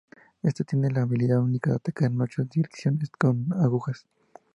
Éste tiene la habilidad única de atacar en ocho direcciones con agujas.